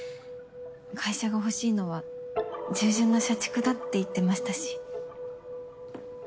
会社が欲しいのは従順な社畜だって言ってましたし。